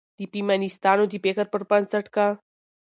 د فيمنستانو د فکر پر بنسټ، که